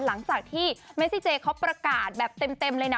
หลังจากที่เมซิเจเขาประกาศแบบเต็มเลยนะ